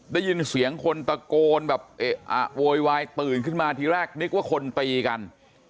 ได้ยินเสียงคนตะโกนแบบเอะอะโวยวายตื่นขึ้นมาทีแรกนึกว่าคนตีกัน